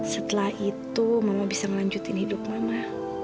setelah itu mama bisa melanjutkan hidup mama